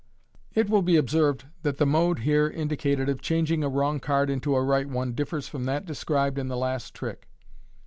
It will be observed that the mode here indicated of changing a wrong card into a right one differs from that described in the last trick.